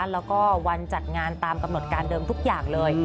แล้วก็วันจัดงานตามกำหนดการเดิมทุกอย่างเลย